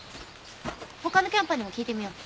他のキャンパーにも聞いてみよう。